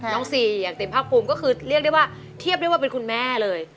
ซีอย่างเต็มภาคภูมิก็คือเรียกได้ว่าเทียบได้ว่าเป็นคุณแม่เลย